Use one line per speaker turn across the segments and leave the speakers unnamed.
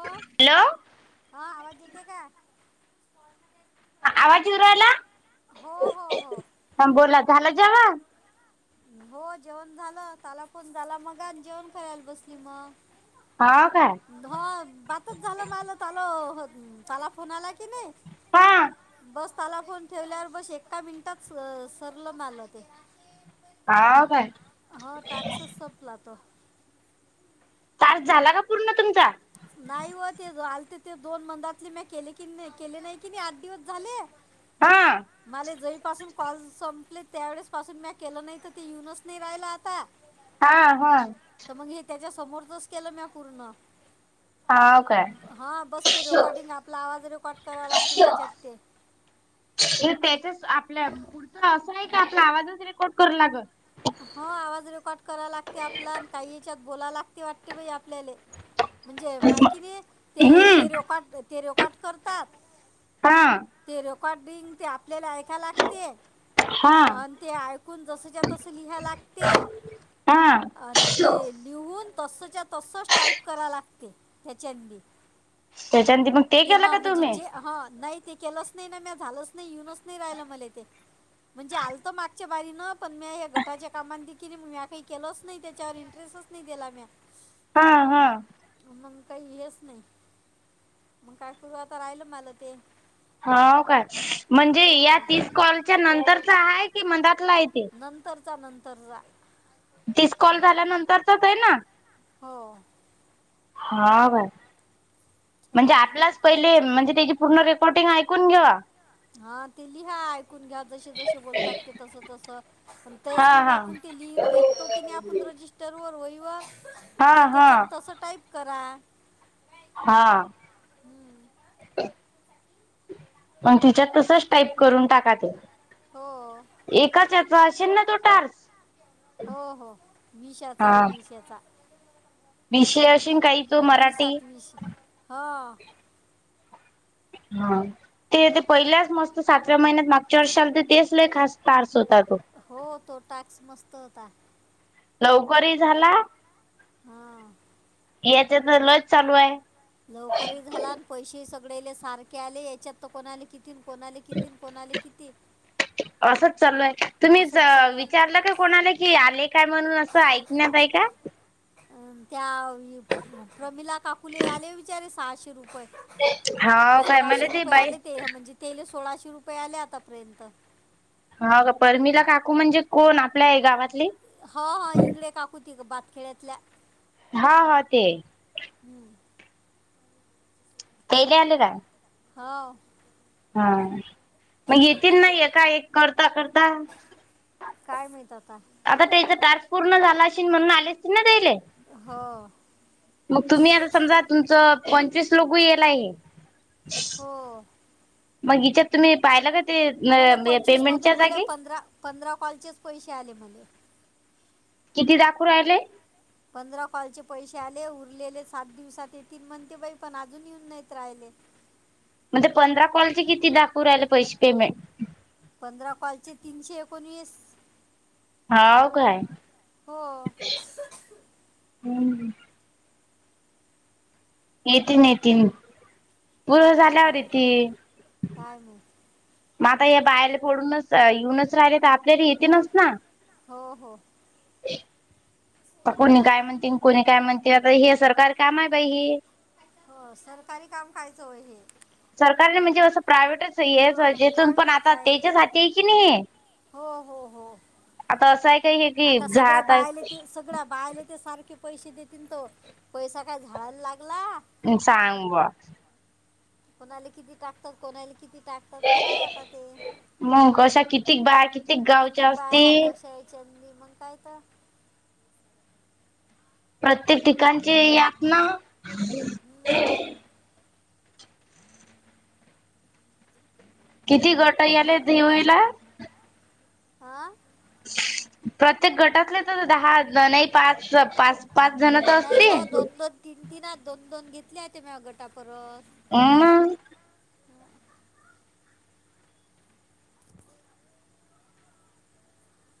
अं
hello
हा आवाज येते का
आवाज यू रायला हम्म बोला झालं जेवान
हो जेवण झालं त्याला पोन झाला मग आणि जेवण कराला बसली मग
हा काय
[unintelligible] बातच झालं मालं त्याल हो त्याला फोन आला की नाई. बस ताला फोन ठेवल्यावर बस एका मिनिटात [unintelligible] ते
हौ काय
हा टॅक्सच सपला तो
आज झाला का पूर्ण तुमचा
नाई व ते झालते ते दोन मंदातले [unintelligible] केले की नई केले नई कि नई आठ दिवस झाले. माले जै पासून कॉल संपले त्यावेळेस पासून म्या केलं नाही तर ते युनच नइ राहिला आता
हा हा
त मग हे त्याच्या समोरचच केलं म्या पूर्ण
हौ
हा बसते रेकॉर्डिंग आपला आवाज रेकॉर्ड करावा लागते त्याच्यात ते
त्याच्या आपल्या पुढचं असं नाही की आपला आवाजच रेकॉर्ड कर लागत.
ह आवाज रेकॉर्ड करावा लागते आपला न काई याच्यात बोला लागते वाटते बाई आपल्याले म्हणजे [unintelligible] ते ते रेकॉर्ड ते रेकॉर्ड करतात. ते रेकॉर्डिंग ते आपल्याला ऐकाय लागते. आण ते ऐकून जसच्या तसं लिहाय लागते. आण ते लिहून तसं च्या तसं, तसंच टाईप करा लागते त्याच्यांबी
[unintelligible]
ते हा म्हणजे जे हा नाई ते केलंच नाई ना‌ म्या झालंच नाई यूनच नाई राहिलं मले ते म्हणजे आलतं मागच्या बारी न पण मी हे गटाच्या कामां देखीलली मी काही केलंच नाही त्याच्यावर इंटरेस्टच नाई दिला म्या
हा हा
मग काई [unintelligible] नाई मग काय [unintelligible] राहिल मला ते
हौ काय म्हणजे या तीस कॉलच्या नंतरच हाय की मंदातलाय ते
नंतरचा नंदरचा
तीस कॉल झाल्यानंतर [unintelligible] ना
हो
हा बर म्हणजे आपलाच पहिले म्हणजे त्याची पूर्ण रेकॉर्डिंग ऐकून घेवा.
हा ते लिहा ऐकून घ्या जसे जसे बोलतात ते तस तस पण तेस मग आपण ते लिईन घेतो की नाही आपण रजिस्ट टर वर वईवर ते त्याच्यात तसं टाईप करा.
हा मग तिच्यात तसच टाईप करून टाका ते
हो
[unintelligible]
हो हो विशाचाय विशेचा
[unintelligible] काई
वीस सातवीस हो
हम् ते ते पहिल्याच मस्त सातव्या महिन्यात मागच्या वर्षाला तर तेच ल खास तार्स होता तो
हो तो टास्क मस्त होता
लवकररी झाला
हा
याच्या तर लज चालू आहे.
लवकरी झाला पैसे सगळेले सारखे आले. याच्यात तर कोणाले किती कोणाले किती, कोणाले किती?
असंच चालू आहे तुम्ही विचारलं का कोणाला की आले काय म्हणून असं ऐकण्यात आहे का
अ त्या प्रमिला काकुले आले विचारे सहाशे रुपये सोळाशे रुपये आले तेह म्हणजे तेल सोळाशे रुपये आले आतापर्यंत
ह का परमीला काकू म्हणजे कोण आपल्या हे गावातले?
ह हा इंगडे काकूती बातखेड्यातल्या
हा हा ते
हम्म
तेले आले का?
हो
हा मग येतील ना एका एक करता करता आता त्याचा टास्क पूर्ण झाला असे म्हणून आलेस ती ना तेले
हो.
मग तुम्ही आता समजा तुमचं पंचवीस लोक येल आहे. मग हच्यात तुम्ही पाहिला का?
मला पंचवीस मधून मला पंधरा पंधरा कॉलचेच पैसे आले मले.
किती दाखवू राहिलेय?
पंधरा कॉल चे पैसे आले उरलेले सात दिवसात येतील म्हणते बाई पण अजून येऊन नाहीत राहिले.
म्हणजे पंधरा कॉलचे किती दाखवू राहिले पैसे पेमेंट?
पंधरा कॉलचे तीनशे एकोणवीस.
होव काय? येतीन येेतीन.
काय माहित आता, काय माहित.
मग आता या बायर पडूनच येऊनच राहिले तर आपल्याला येते नस ना
हो हो
[inaudible] कोणी काय म्हणते कोणी काय म्हणते आता हे सरकार काम आहे हे.
हो सरकारी काम कायचं हे.
सरकार म्हणजे असं प्रायव्हेटचय जथून पण आता त्याच्याच हातीय की नाही.
हो हो हो.
आता असंय काय हे
आता सगळ्या बायले ते सगळ्या बायले ते सारखे पैसे देतील तो पैसा काय झाडाला लागला?
सांग बा.
कोणाला किती टाकतात कोणाला किती टाक आता तस आहे आता ते कितीक बाय [inaudible] हातश चांणी [unintelligible] मग काय तर.
प्रत्येक ठिकाणची यात ना. किती गट यालेत [unintelligible]
आं?
प्रत्येक गटातले तर दहाजण नाही पाच पाच पाचजण तर असतील?
तीन तिन आहेत दोन दोन घेतले आहेत म्या गटा परत
आ?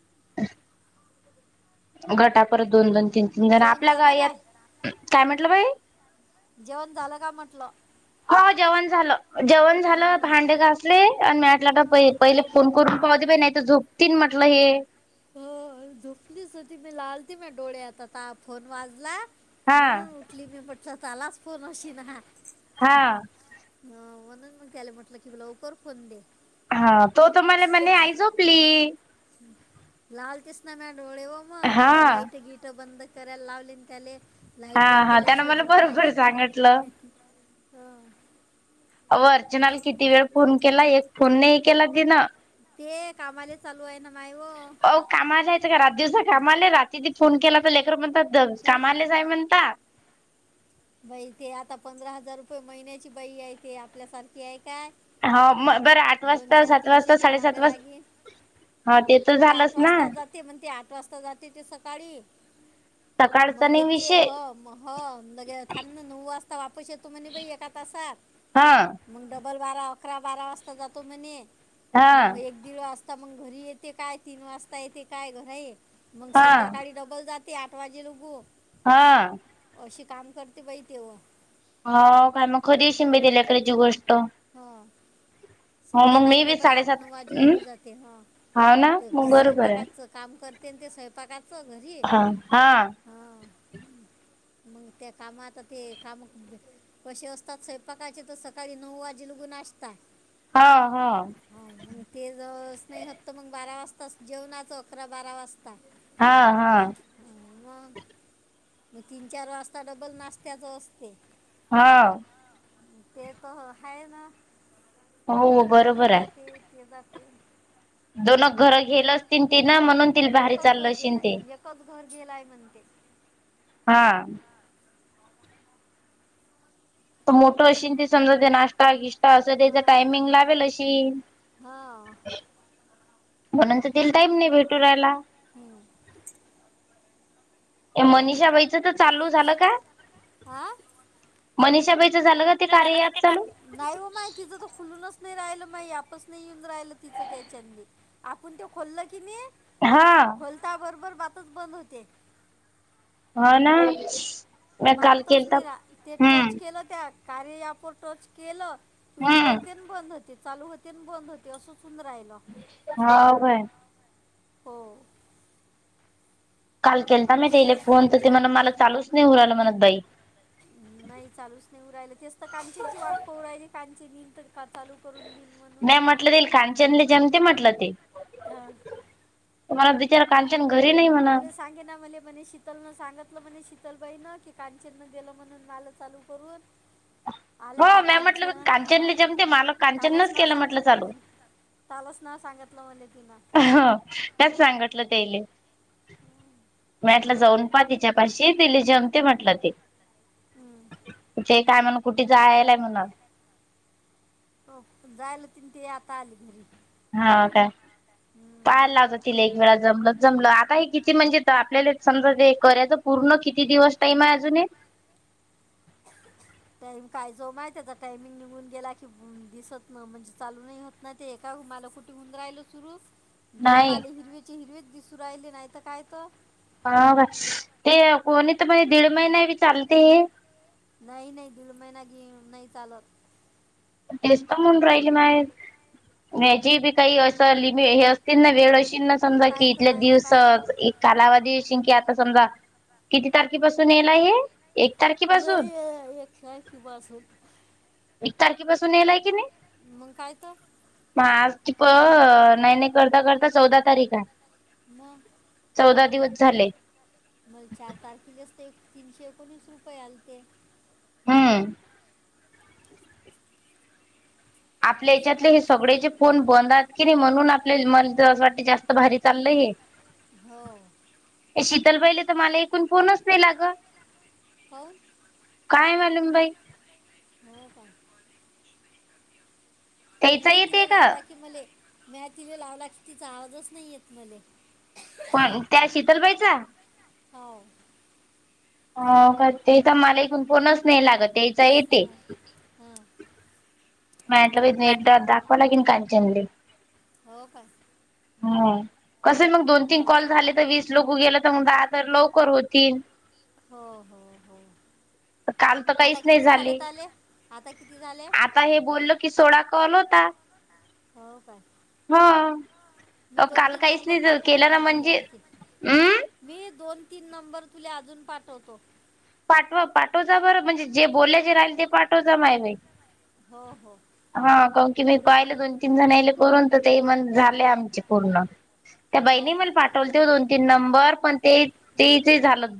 [inaudible] गटा परत दोन दोन तीन तीन जण आपल्या ग यात काय म्हंटलं बाई?
जेवन झाल का म्हटलं?
हो जेवण झालं, जेवण झालं भांडे घास सले आणि मी आठला पहिले फोन करून पाहुदे बाई नाही तर झोपतीन म्हटलं हे.
हो झोपलीच होती मी आलतीच म डोळ्यात आता फोन वाजला म्हणून उठली मी म्हटलंत आलाच फोन अशी ना. हा म्हणून मग तेला म्हटलं की ब लवकर फोन दे.
हा तो तर मला म्हणे आई झोपली.
हा लाल दिसला ना डोळ्यावर मग लाल लाईट बियट बंद के कराला लावले ना त्याले लाईट बंद केल्याशिवाय झोप नाही येत ना. हो.
आवो अर्चनाला किती वेळ फोन केला एक फोन नाही केला तीन.
ते कामाला चालू आहे ना माय व.
अवो कामाला जायचं का रात-दिवसा कामाले रात्री तरी फोन केला तर लेकर म्हणतात जा कामाले काय म्हणता?
बाई ते आता पंधरा हजार रुपये महिन्याची बाई आहे ते आपल्यासारखी आहे काय?
हां म बरं आठ वाजता सात वाजता साडेसात वाजता हा ते तर झालंच ना-
ती म्हणते आठ वाजता जाते ती सकाळी मग येते हो मग हो थांब ना म्हणे नऊ वाजता वापस येतो म्हणे बाई एका तासात.
हां.
मग डबल बारा अकरा बारा वाजता जातो म्हणे मग एक दीड वाजता मग घरी येते काय तीन वाजता येते काय घरी मग संध्याकाळी डबल जाते आठ वाजे लुगू
हां
अशी काम करते बाई तेव्ह
हा काय मग खरी आशिन बाई त्या लेकराची गोष्ट
हां. संध्याकाळी डबल आठ नऊ वाजे लघू जाते हं, तेव्हा स्वयंपाकाच काम करते ते स्वयंपाकाचं घरी
[inaudible]
मग त्या कामात ते काम कसे असतात स्वयंपाकाचे तर सकाळी नऊ वाजे जे लुगू नाश्ता
हा हा.
हो मग ते ज नाही होत मग बारा वाजता जेवनाच अकरा बारा वाजता
हां हा.
ह मग तीन चार वाजता डबल नाश्त्याच असते
हा.
ते तर हाय ना. येते जाते येते जाते.
दोन घर घेल आस्तिन तिनं म्हणून तिले भारी चालणं अशिन ते
घर घेल आहे म्हणते.
हां. मोठं अशिल ते समजा ते नाश्ता किष्टा असं त्याच टायमिंग लावेल अशी.
हा.
म्हणून तर तिले टाईम नाही भेटू राहायला.
हम्म.
ते मनिषाबाईचं तर चालू झालं का.
हा.
मनिषाबाईचं झालं का ते कार्य ॲप चालू.
नाही हो माय तिचं तर खुलूनच नाही राहिलं. मई ॲपच नाही येऊन राहिलं तिचं त्याच्यातबी आपण ते खोल्ल की नाही.
हा.
खोलताबरोबर बातच बंद होते.
हा ना.
बातच निरा ते टच केलं त्या कार्या ॲप वर टच केलं. ती उघड तेन बंद होते चालू होते बंद होते असच होऊन राहिलं.
हा बय.
हो.
काल केलता मी तेले फोन तर ते म्हण मला चालूच नाही. होऊ राहील आलं म्हणत ताई.
नाही चालूच नाही होऊ राहिला. तेच तर कांचीची वाट पाहू राहियली. कांची इन तर का चालू करून दिल.
नाही म्हटलं तेल कांचनले जेमते म्हटलं ते.
ह.
तुम्हाला दि [unintelligible] कांचन घरी नही.
मले सांगे ना मले. म्हणे शीतल न सांगितलं म्हणे. शीतलबाईन की कांचन न देलं म्हणून नालं चालू करून.
हो मॅ म्हटलं कांचननी जमते मला, कांचन नच केलं म्हटलं चालू.
कालच नाल सांगितलं मणे तिन.
ह त्याच सांगितलं तेयले. मीटलं जाऊन पा तिच्या पाशी. तीले जेमते म्हटलं ते.
हम्म.
ते काय म्हण कुठे जायलाय म्हण.
हो जायला तीन ते. आता आली घरी.
हा काय. पाहायला लावतातील एक वेळा जमलं जमलं. आता हे किती म्हणजे. आपल्याला समजा ते करायचं पूर्ण किती दिवस टाइमे, अजून आहे. [unintelligible]
काय जो माय त्याचा टाइमिंग निघून गेला की दिसत ना म्हणजे चालू नाही होत. नाही तर हे काय [unintelligible] कुठे हून राहिलं सुरू. दोन माले हिरवीची हिरवीच दिसून राहिले नाहीत काय तर.
हा का ते कोणी त म्हण, दीड महिना बी चालती.
नाही नाही. दीड महिना घे नाही चालत.
तेच तर म्हून राहिल माय. हाजे बी काही असं लिम हे अस त्यांना वेळ अशी ना समजा की, इथल्या दिवसात. कालावधीष की आता समजा, किती तारखेपसून येला हे.
लो ये एक तारखे पासून.
एक तारखेपासून येलाय की नाही.
मग काय त.
म आज की प, नाही-नाही करता-करता चौदा तारीख हाय.
म.
चौदा दिवस झाले.
मला चार तारखेलेस ते, तीनशे एकोणीस रुपये आलते.
हम्म. आपल्या याच्यातले हे सगळेचे फोन बंद आहेत की नाही, म्हणून आपल्या मला वाट जास्त भारी चालय हे. [inaudible]
हो.
शीतल बाई ले तर मला ईकूण फोनच नाही लागत.
हो.
काय मालुम बाई.
हो का. नाही, तिले लागला की. मले, म्या तिने लावला की तिचा आवाजच नाही येत मले.
पण, त्या शीतल बाई चा.
हो.
हो का. ते का मला ईकून फोनच नाही लागते.
हम्म-हम्म.
माटलं बाई इथंन एकदा दाखवा की नाही काचनले.
हो का.
हम्म, कसय मग दोन, तीन कॉल झाले तर वीस लोक गेले तर, मग तर लवकर होतील.
हो-हो-हो. आता किती झाले तवले. आता किती झाले.
आता हे बोलल की, सोडा कल होता.
हो काय? मी दोन, तीन नंबर पाठवतो. मी तुला आणखी. मी दोन, तीन नंबर तुला अजून पाठवतो.
पाठवा-पाठवचा बरं म्हणजे जे बोलायचे राहील ते पाठवचा माय मा
हो-हो
हा का की मी पाहिले दोन, तीन जण येले करून, तर ते मण झाले आमचे पूर्ण. त्या बहिणी मला पाठवले, तेव दोन, तीन नंबर पण ते तेजे झालं.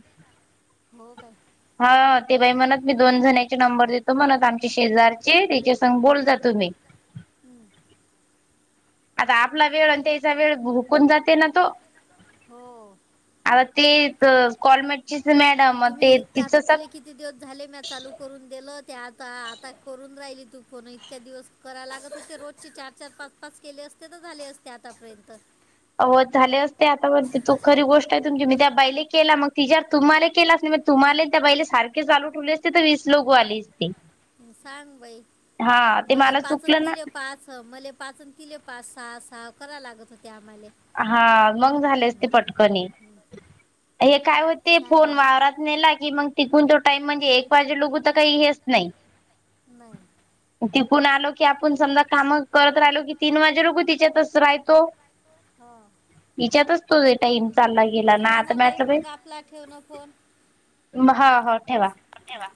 हो काय.
हा ते बाई म्हणत मी दोन जणचे नंबर देतो म्हणत आमचे शेजार ची त्याच्यास बोलता तुम्ही आता आपला वेळ, आणि त्याचा वेळ भुकून जाते ना तो.
हो.
आव ते कॉलमेटचीच मॅडम ते तिच
करून दिलं ते आता, आता करून राहिली तू फोन इतक्या दिवस करायला लागत होते, रोजचे चार-चार पाच. पाच केले असते, तर झाले असते आतापर्यंत.
अ हो झाले असते आता पर्यंत तो खरी गोष्ट हाय तुमची मी त्या बाईले केला मग तिच्यावर तुम्हाला केलाच नाय. म तुम्हाला त्या बाईला सारखे चालू ठेवले असते तर वीस लोक आले असते.
सांग बाई मले पाचन अन् तिले पाच मले पाच तिले पाच सहा सहा कराय लागत होते आम्हाले.
हा मग झाले असते पटकनी. हे काय होते फोन वावरात नेला की मग तिकून तो टाइम म्हणजे एक वाजे लोघू तर काय हेच नाय.
नाय.
तिकून आलो की आपण समजा काम करत राहिलो की तीन वाजे लोघू तिच्यातच राइतो.
हा.
इच्यातच तुजा टाईम चालला गेला ना आता म्या त बाय हा हा ठेवा.
ठेवा.